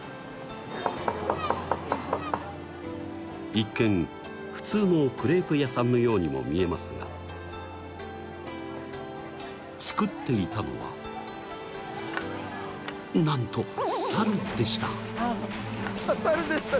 一見普通のクレープ屋さんのようにも見えますが作っていたのはなんとサルでした。